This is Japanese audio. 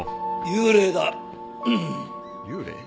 幽霊？